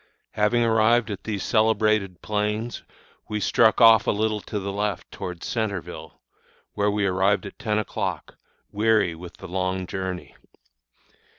Having arrived at these celebrated plains, we struck off a little to the left towards Centreville, where we arrived at ten o'clock, weary with the long journey.